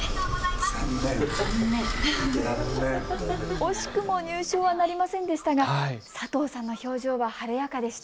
惜しくも入賞はなりませんでしたが佐藤さんの表情は晴れやかでした。